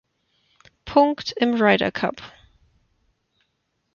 Punkt im Ryder Cup.